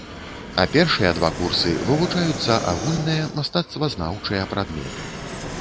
А першыя два курсы вывучаюцца агульныя мастацтвазнаўчыя прадметы.